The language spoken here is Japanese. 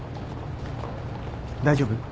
大丈夫？